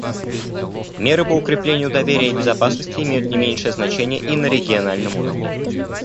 Меры по укреплению доверия и безопасности имеют не меньшее значение и на региональном уровне.